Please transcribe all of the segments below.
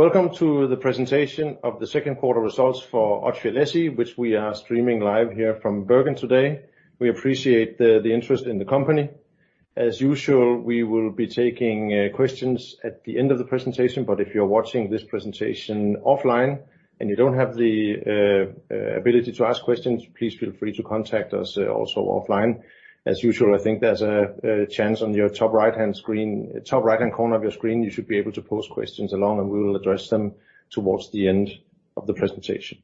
Welcome to the presentation of the second quarter results for Odfjell SE, which we are streaming live here from Bergen today. We appreciate the interest in the company. As usual, we will be taking questions at the end of the presentation, but if you're watching this presentation offline and you don't have the ability to ask questions, please feel free to contact us also offline. As usual, I think there's a chance on your top right-hand corner of your screen, you should be able to post questions along, and we will address them towards the end of the presentation.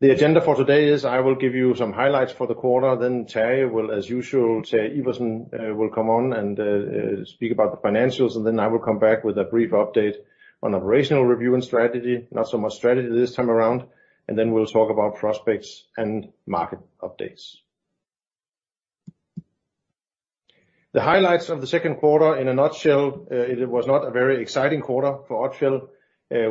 The agenda for today is I will give you some highlights for the quarter, then Terje, as usual, Terje Iversen will come on and speak about the financials, and then I will come back with a brief update on operational review and strategy. Not so much strategy this time around. Then we'll talk about prospects and market updates. The highlights of the second quarter in a nutshell, it was not a very exciting quarter for Odfjell.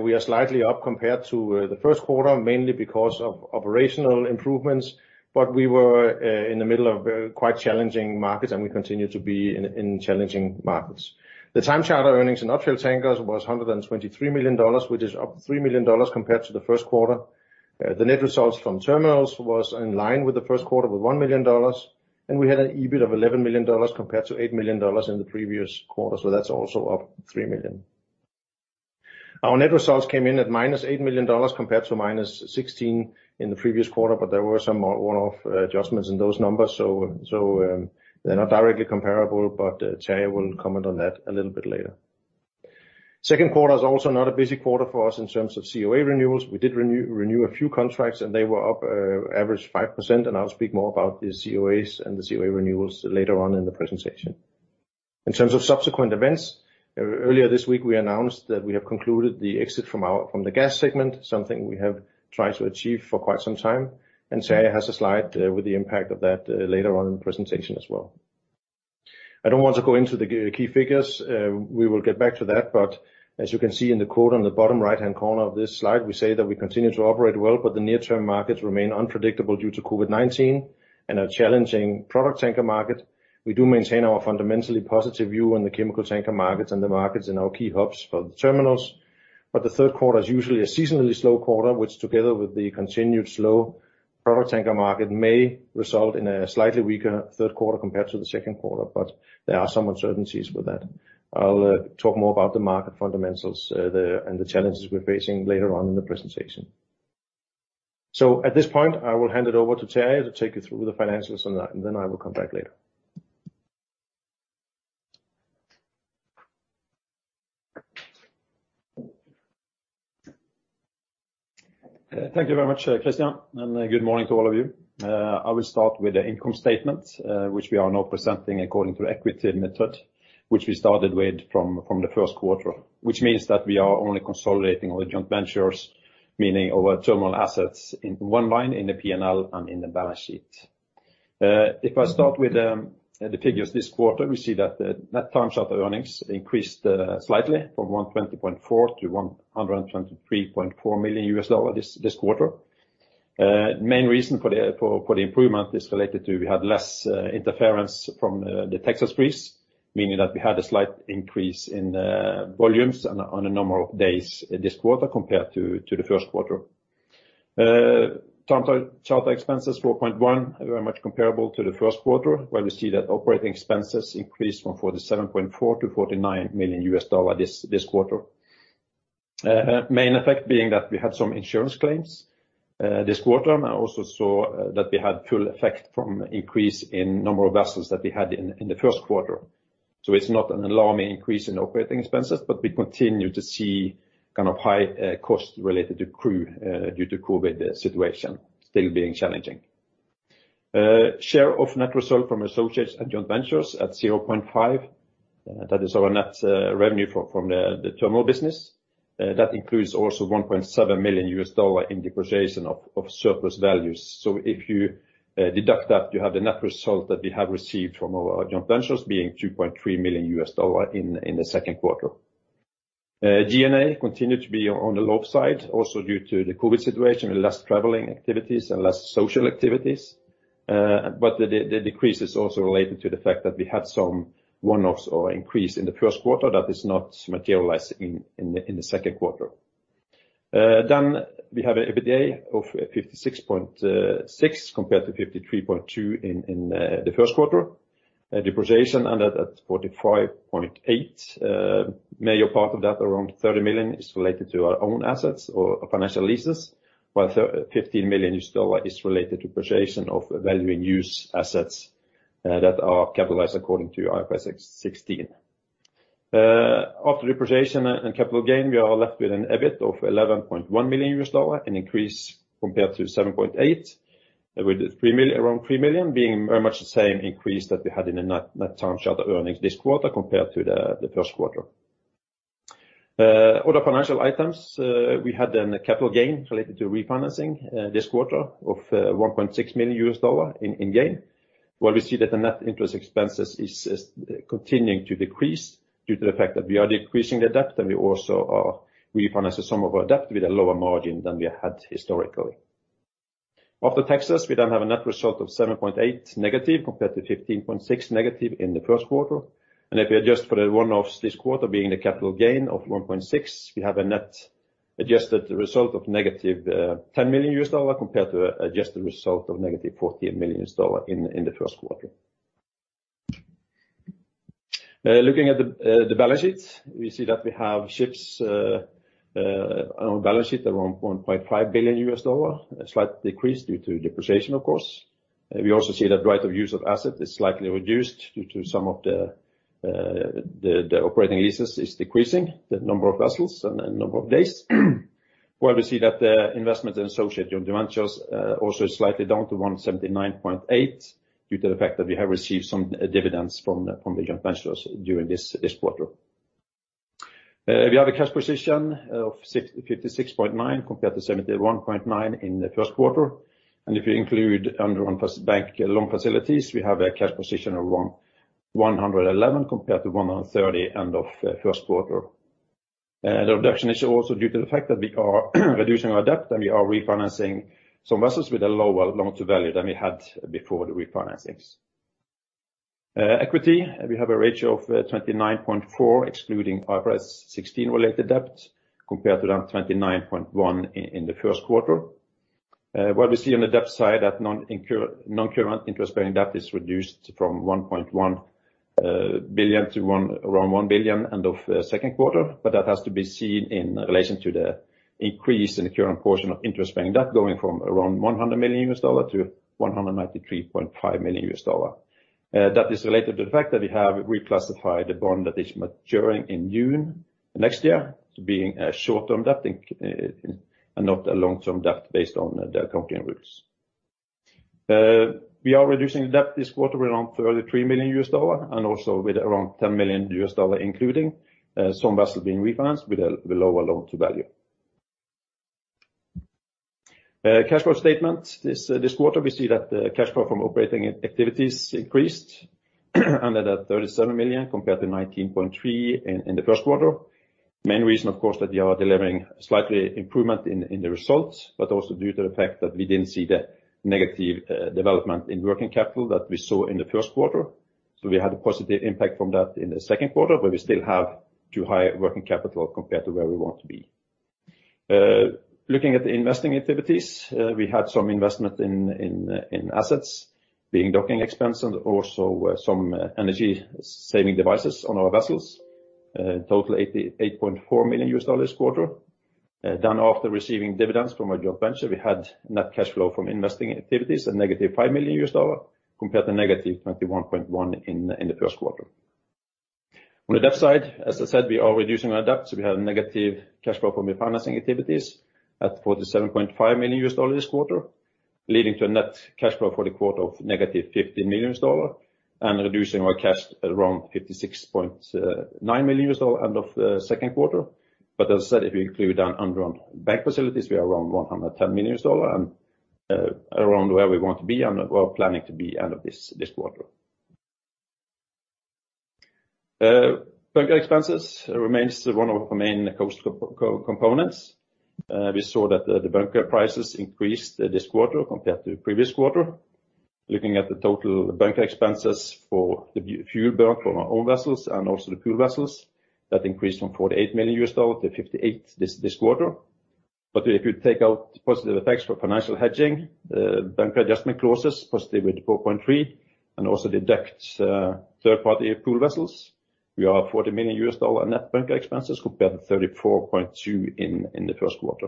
We are slightly up compared to the first quarter, mainly because of operational improvements, but we were in the middle of quite challenging markets and we continue to be in challenging markets. The time charter earnings in Odfjell Tankers was $123 million, which is up $3 million compared to the first quarter. The net results from terminals was in line with the first quarter with $1 million. We had an EBITDA of $11 million compared to $8 million in the previous quarter. That's also up $3 million. Our net results came in at -$8 million compared to -$16 million in the previous quarter. There were some one-off adjustments in those numbers. They're not directly comparable, Terje will comment on that a little bit later. Second quarter is also not a busy quarter for us in terms of COA renewals. We did renew a few contracts and they were up average 5%. I'll speak more about the COAs and the COA renewals later on in the presentation. In terms of subsequent events, earlier this week, we announced that we have concluded the exit from the gas segment, something we have tried to achieve for quite some time. Terje has a slide with the impact of that later on in the presentation as well. I don't want to go into the key figures. We will get back to that. As you can see in the quote on the bottom right-hand corner of this slide, we say that we continue to operate well, but the near-term markets remain unpredictable due to COVID-19 and a challenging product tanker market. We do maintain our fundamentally positive view on the chemical tanker markets and the markets in our key hubs for the terminals. The third quarter is usually a seasonally slow quarter, which together with the continued slow product tanker market, may result in a slightly weaker third quarter compared to the second quarter. There are some uncertainties with that. I'll talk more about the market fundamentals and the challenges we're facing later on in the presentation. At this point, I will hand it over to Terje to take you through the financials and then I will come back later. Thank you very much, Kristian, and good morning to all of you. I will start with the income statement, which we are now presenting according to equity method, which we started with from the first quarter. This means that we are only consolidating our joint ventures, meaning our terminal assets in one line in the P&L and in the balance sheet. If I start with the figures this quarter, we see that net time charter earnings increased slightly from $120.4 million-$123.4 million this quarter. Main reason for the improvement is related to we had less interference from the Texas freeze, meaning that we had a slight increase in volumes on a number of days this quarter compared to the first quarter. Time charter expenses, $4.1 million. Very much comparable to the first quarter, where we see that operating expenses increased from $47.4 million-$49 million this quarter. Main effect being that we had some insurance claims this quarter, and also saw that we had full effect from increase in number of vessels that we had in the first quarter. It's not an alarming increase in operating expenses, but we continue to see high cost related to crew due to COVID situation still being challenging. Share of net result from associates and joint ventures at 0.5. That is our net revenue from the terminal business. That includes also $1.7 million in depreciation of surplus values. If you deduct that, you have the net result that we have received from our joint ventures being $2.3 million in the second quarter. G&A continued to be on the low side, also due to the COVID situation, less traveling activities and less social activities. The decrease is also related to the fact that we had some one-offs or increase in the first quarter that is not materialized in the second quarter. We have an EBITDA of $56.6 compared to $53.2 in the first quarter. Depreciation ended at $45.8. Major part of that, around $30 million, is related to our own assets or financial leases, while $15 million is related to depreciation of value in use assets that are capitalized according to IFRS 16. After depreciation and capital gain, we are left with an EBIT of $11.1 million, an increase compared to $7.8. With around $3 million being very much the same increase that we had in the net time charter earnings this quarter compared to the first quarter. Other financial items. We had a capital gain related to refinancing this quarter of $1.6 million in gain, while we see that the net interest expenses is continuing to decrease due to the fact that we are decreasing the debt and we also are refinancing some of our debt with a lower margin than we had historically. After taxes, we have a net result of $7.8 million negative compared to $15.6 million negative in the first quarter. If we adjust for the one-off this quarter being the capital gain of $1.6 million, we have a net adjusted result of negative $10 million compared to adjusted result of negative $14 million in the first quarter. Looking at the balance sheets. We see that we have ships on balance sheet around $1.5 billion, a slight decrease due to depreciation, of course. We also see that right of use of asset is slightly reduced due to some of the operating leases is decreasing the number of vessels and number of days. While we see that the investment in associate joint ventures also is slightly down to $179.8 due to the fact that we have received some dividends from the joint ventures during this quarter. We have a cash position of $56.9 compared to $71.9 in the first quarter. If you include undrawn bank loan facilities, we have a cash position of around $111 compared to $130 end of first quarter. The reduction is also due to the fact that we are reducing our debt, and we are refinancing some vessels with a lower loan-to-value than we had before the refinancings. Equity, we have a ratio of 29.4% excluding IFRS 16 related debt, compared to around 29.1% in the first quarter. What we see on the debt side, that non-current interest-bearing debt is reduced from $1.1 billion to around $1 billion end of second quarter, but that has to be seen in relation to the increase in the current portion of interest-bearing debt going from around $100 million-$193.5 million. That is related to the fact that we have reclassified the bond that is maturing in June next year to being a short-term debt and not a long-term debt based on the accounting rules. We are reducing debt this quarter with around $33 million, and also with around $10 million including some vessel being refinanced with a lower loan-to-value. Cash flow statement. This quarter, we see that the cash flow from operating activities increased under $37 million compared to $19.3 million in the first quarter. Main reason, of course, that we are delivering slightly improvement in the results, also due to the fact that we didn't see the negative development in working capital that we saw in the first quarter. We had a positive impact from that in the second quarter, but we still have too high working capital compared to where we want to be. Looking at the investing activities, we had some investment in assets being docking expense and also some energy-saving devices on our vessels. Total $88.4 million this quarter. After receiving dividends from our joint venture, we had net cash flow from investing activities a negative $5 million compared to negative $21.1 million in the first quarter. On the debt side, as I said, we are reducing our debt, so we have negative cash flow from refinancing activities at $47.5 million this quarter, leading to a net cash flow for the quarter of negative $15 million and reducing our cash at around $56.9 million end of the second quarter. As I said, if we include undrawn bank facilities, we are around $110 million and around where we want to be and we are planning to be end of this quarter. Bunker expenses remains one of our main cost components. We saw that the bunker prices increased this quarter compared to previous quarter. Looking at the total bunker expenses for the fuel burn from our own vessels and also the pool vessels, that increased from $48 million to $58 million this quarter. If you take out positive effects for financial hedging, bunker adjustment clauses, positive $4.3 million, and also deduct third party pool vessels, we are $40 million net bunker expenses compared to $34.2 million in the first quarter.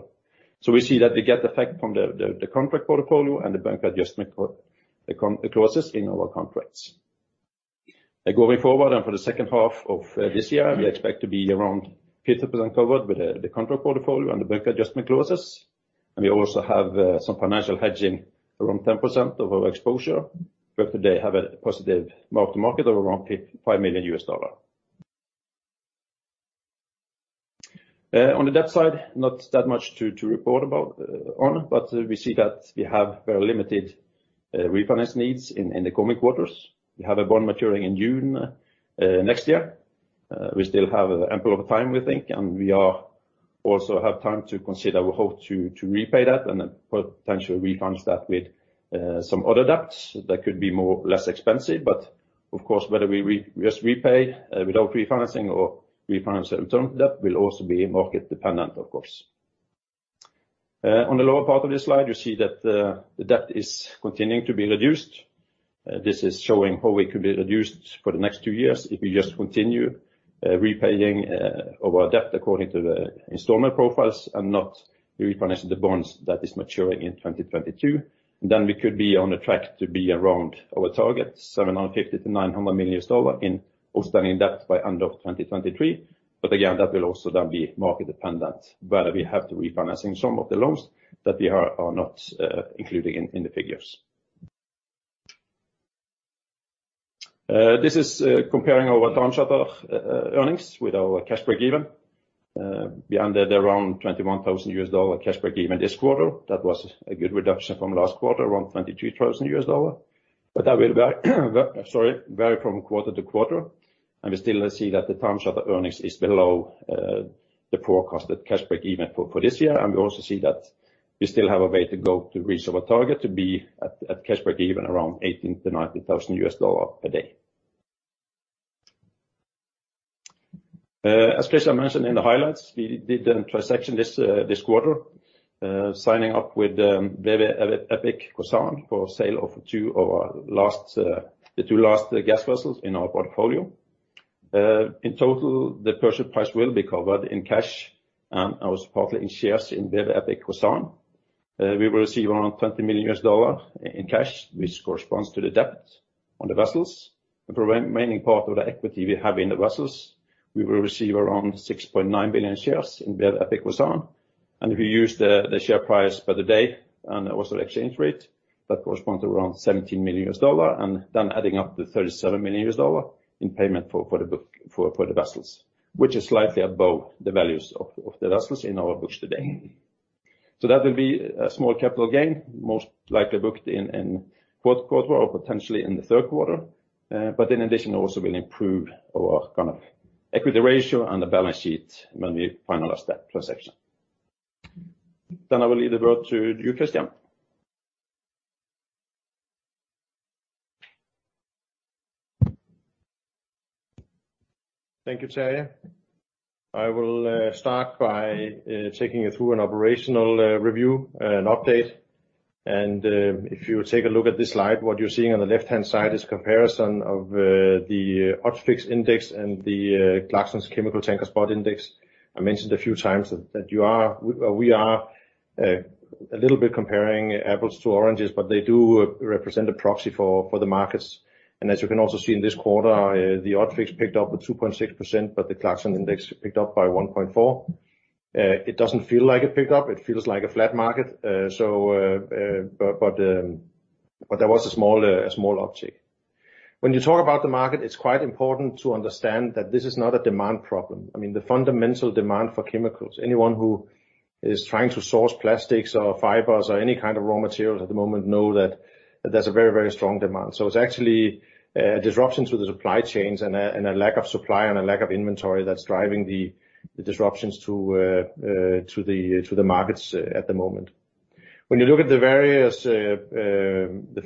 We see that we get effect from the contract portfolio and the bunker adjustment clauses in our contracts. Going forward and for the second half of this year, we expect to be around 50% covered with the contract portfolio and the bunker adjustment clauses. We also have some financial hedging around 10% of our exposure. We today have a positive mark to market of around $5 million. On the debt side, not that much to report about on, but we see that we have very limited refinance needs in the coming quarters. We have a bond maturing in June next year. We still have ample of time, we think, and we are also have time to consider how to repay that and then potentially refinance that with some other debts that could be more or less expensive. Of course, whether we just repay without refinancing or refinance the term debt will also be market dependent, of course. On the lower part of this slide, you see that the debt is continuing to be reduced. This is showing how it could be reduced for the next two years if we just continue repaying our debt according to the installment profiles and not refinancing the bonds that is maturing in 2022. We could be on track to be around our target, $750 million-$900 million in outstanding debt by end of 2023. Again, that will also then be market dependent, whether we have to refinancing some of the loans that we are not including in the figures. This is comparing our time charter earnings with our cash break-even. We ended around $21,000 cash break-even this quarter. That was a good reduction from last quarter, around $22,000. That will vary from quarter to quarter, and we still see that the time charter earnings is below the forecasted cash break-even for this year. We also see that we still have a way to go to reach our target to be at cash break-even around $80,000-$90,000 per day. As Kristian mentioned in the highlights, we did a transaction this quarter, signing up with BW Epic Kosan for sale of the two last gas vessels in our portfolio. In total, the purchase price will be covered in cash also partly in shares in BW Epic Kosan. We will receive around $20 million in cash, which corresponds to the debt on the vessels. The remaining part of the equity we have in the vessels, we will receive around 6.9 million shares in BW Epic Kosan. If you use the share price for the day also the exchange rate, that corresponds to around $17 million, adding up to $37 million in payment for the vessels, which is slightly above the values of the vessels in our books today. That will be a small capital gain, most likely booked in fourth quarter or potentially in the third quarter.In addition, also will improve our equity ratio and the balance sheet when we finalize that transaction. I will leave the word to you, Kristian Mørch. Thank you, Terje. I will start by taking you through an operational review and update. If you take a look at this slide, what you're seeing on the left-hand side is comparison of the Odfjell index and the Clarksons Chemical Tanker Spot Index. I mentioned a few times that we are a little bit comparing apples to oranges, but they do represent a proxy for the markets. As you can also see in this quarter, the Odfjell picked up with 2.6%, but the Clarksons index picked up by 1.4%. It doesn't feel like it picked up. It feels like a flat market. There was a small uptick. When you talk about the market, it's quite important to understand that this is not a demand problem. I mean, the fundamental demand for chemicals, anyone who is trying to source plastics or fibers or any kind of raw materials at the moment know that there's a very, very strong demand. It's actually a disruption to the supply chains and a lack of supply and a lack of inventory that's driving the disruptions to the markets at the moment. When you look at the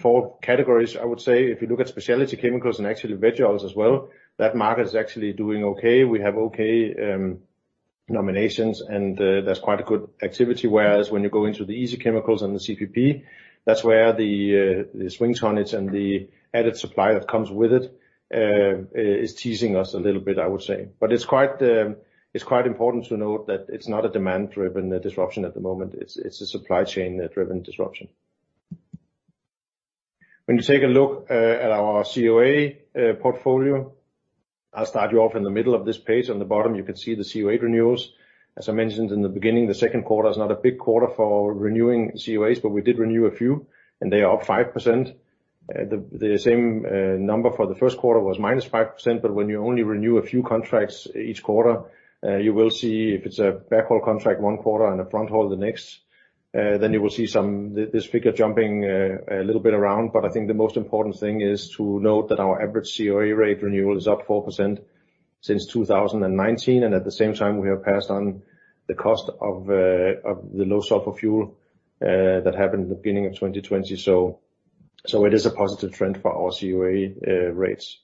four categories, I would say if you look at specialty chemicals and actually veg oils as well, that market is actually doing okay. We have okay nominations and there's quite a good activity, whereas when you go into the easy chemicals and the CPP, that's where the swing tonnage and the added supply that comes with it is teasing us a little bit, I would say. It's quite important to note that it's not a demand-driven disruption at the moment. It's a supply chain-driven disruption. When you take a look at our COA portfolio, I'll start you off in the middle of this page. On the bottom, you can see the COA renewals. As I mentioned in the beginning, the second quarter is not a big quarter for renewing COAs, but we did renew a few, and they are up 5%. The same number for the first quarter was -5%. When you only renew a few contracts each quarter, you will see if it's a backhaul contract one quarter and a front haul the next, then you will see this figure jumping a little bit around. I think the most important thing is to note that our average COA rate renewal is up 4% since 2019. At the same time, we have passed on the cost of the low sulfur fuel that happened at the beginning of 2020. It is a positive trend for our COA rates.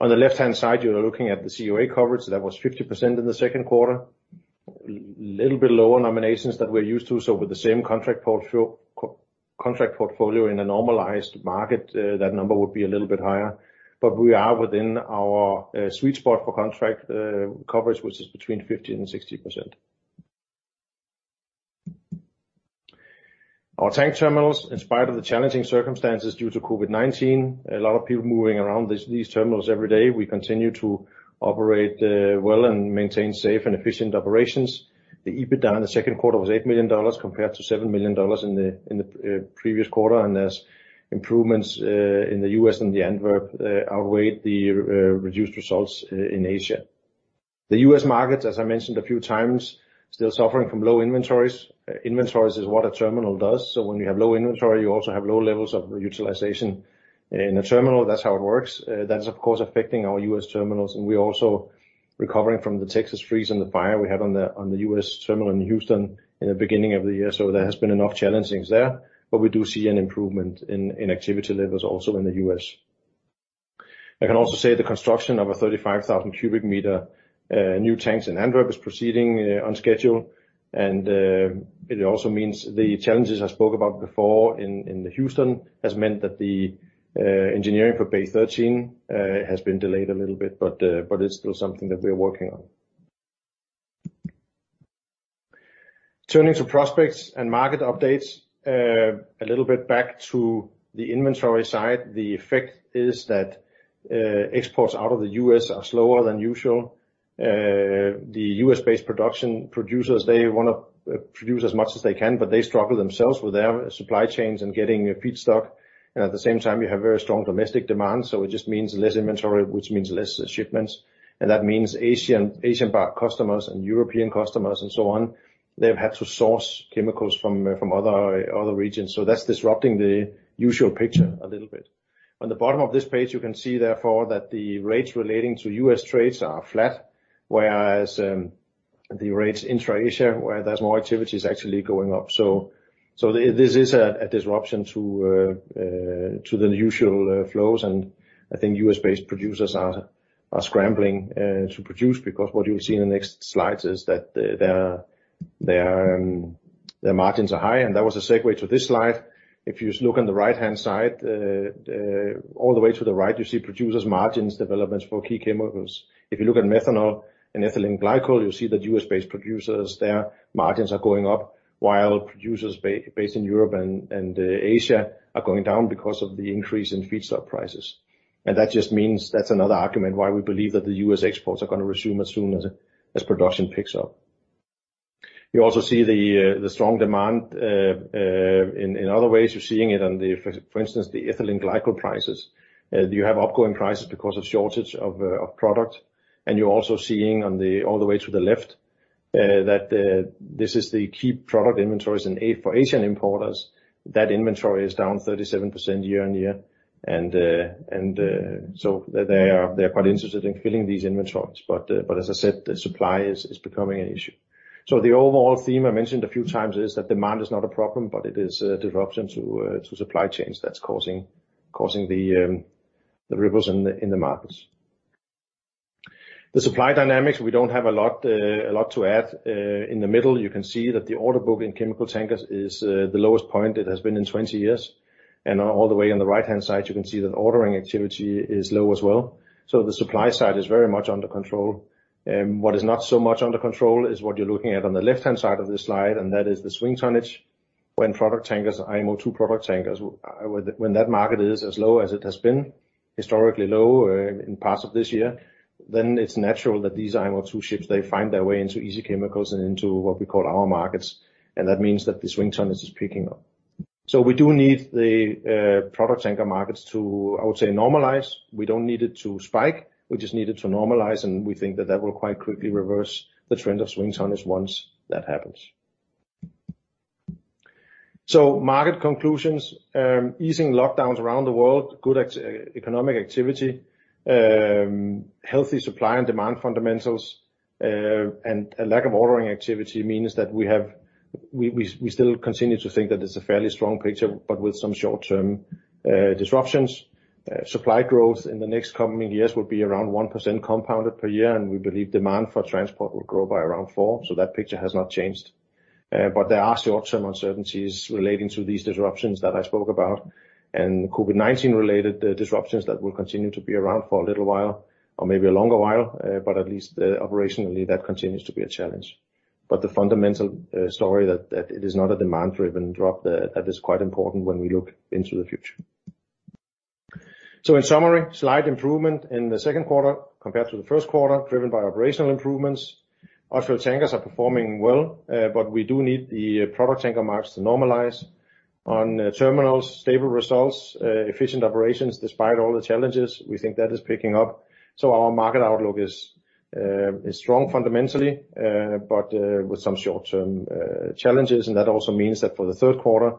On the left-hand side, you are looking at the COA coverage. That was 50% in the second quarter. Little bit lower nominations than we're used to. With the same contract portfolio in a normalized market, that number would be a little bit higher. We are within our sweet spot for contract coverage, which is between 50% and 60%. Our tank terminals, in spite of the challenging circumstances due to COVID-19, a lot of people moving around these terminals every day. We continue to operate well and maintain safe and efficient operations. The EBITDA in the second quarter was $8 million, compared to $7 million in the previous quarter, as improvements in the U.S. and the Antwerp outweighed the reduced results in Asia. The U.S. market, as I mentioned a few times, still suffering from low inventories. Inventories is what a terminal does. When you have low inventory, you also have low levels of utilization in a terminal. That's how it works. That's, of course, affecting our U.S. terminals, and we are also recovering from the Texas freeze and the fire we had on the U.S. terminal in Houston in the beginning of the year. There has been enough challenges there, but we do see an improvement in activity levels also in the U.S. I can also say the construction of a 35,000 cubic meter new tanks in Antwerp is proceeding on schedule, and it also means the challenges I spoke about before in Houston has meant that the engineering for Bay 13 has been delayed a little bit, but it's still something that we are working on. Turning to prospects and market updates. A little bit back to the inventory side. The effect is that exports out of the U.S. are slower than usual. The U.S.-based producers, they want to produce as much as they can, but they struggle themselves with their supply chains and getting feedstock. At the same time, you have very strong domestic demand, so it just means less inventory, which means less shipments. That means Asian customers and European customers and so on, they've had to source chemicals from other regions. That's disrupting the usual picture a little bit. On the bottom of this page, you can see therefore that the rates relating to U.S. trades are flat, whereas the rates intra-Asia, where there's more activity, is actually going up. This is a disruption to the usual flows, and I think U.S.-based producers are scrambling to produce because what you'll see in the next slides is that their margins are high, and that was a segue to this slide. If you look on the right-hand side, all the way to the right, you see producers margins developments for key chemicals. If you look at methanol and ethylene glycol, you'll see that U.S.-based producers, their margins are going up while producers based in Europe and Asia are going down because of the increase in feedstock prices. That just means that is another argument why we believe that the U.S. exports are going to resume as soon as production picks up. You also see the strong demand, in other ways, you are seeing it on the, for instance, the ethylene glycol prices. You have upgoing prices because of shortage of product. You are also seeing all the way to the left, that this is the key product inventories for Asian importers. That inventory is down 37% year-on-year. They are quite interested in filling these inventories. As I said, the supply is becoming an issue. The overall theme I mentioned a few times is that demand is not a problem, but it is a disruption to supply chains that is causing the ripples in the markets. The supply dynamics, we do not have a lot to add. In the middle, you can see that the order book in chemical tankers is the lowest point it has been in 20 years. All the way on the right-hand side, you can see that ordering activity is low as well. The supply side is very much under control. What is not so much under control is what you're looking at on the left-hand side of this slide, and that is the swing tonnage. When product tankers, IMO II product tankers, when that market is as low as it has been, historically low in parts of this year, then it's natural that these IMO II ships, they find their way into easy chemicals and into what we call our markets. That means that the swing tonnage is picking up. We do need the product tanker markets to, I would say, normalize. We don't need it to spike. We just need it to normalize, and we think that that will quite quickly reverse the trend of swing tonnage once that happens. Market conclusions, easing lockdowns around the world, good economic activity, healthy supply and demand fundamentals, and a lack of ordering activity means that we still continue to think that it's a fairly strong picture, but with some short-term disruptions. Supply growth in the next coming years will be around 1% compounded per year, and we believe demand for transport will grow by around four. That picture has not changed. There are short-term uncertainties relating to these disruptions that I spoke about and COVID-19 related disruptions that will continue to be around for a little while or maybe a longer while. At least operationally that continues to be a challenge. The fundamental story that it is not a demand-driven drop, that is quite important when we look into the future. In summary, slight improvement in the second quarter compared to the first quarter, driven by operational improvements. Odfjell Tankers are performing well, we do need the product tanker markets to normalize. On Odfjell Terminals, stable results, efficient operations despite all the challenges, we think that is picking up. Our market outlook is strong fundamentally, with some short-term challenges. That also means that for the third quarter,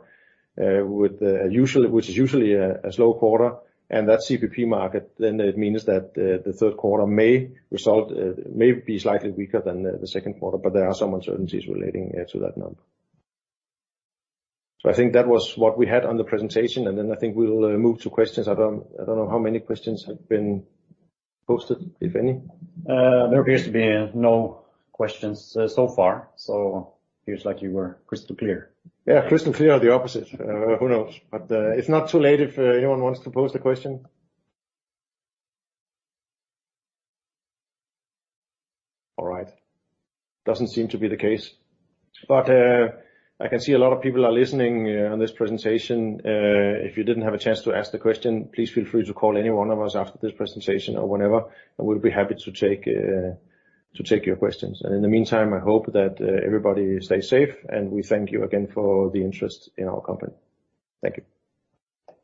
which is usually a slow quarter, and that CPP market, it means that the third quarter may be slightly weaker than the second quarter. There are some uncertainties relating to that number. I think that was what we had on the presentation, I think we'll move to questions. I don't know how many questions have been posted, if any. There appears to be no questions so far. It appears like you were crystal clear. Yeah, crystal clear or the opposite, who knows? It's not too late if anyone wants to pose a question. All right. Doesn't seem to be the case, but I can see a lot of people are listening on this presentation. If you didn't have a chance to ask the question, please feel free to call any one of us after this presentation or whenever, and we'll be happy to take your questions. In the meantime, I hope that everybody stays safe, and we thank you again for the interest in our company. Thank you.